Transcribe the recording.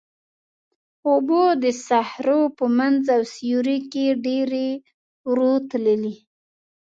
اوبه د صخرو په منځ او سیوري کې ډېرې ورو تللې.